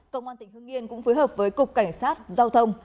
công an tỉnh hương yên cũng phối hợp với cục cảnh sát giao thông